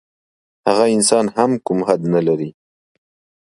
هغه انسان هم کوم حد نه لري.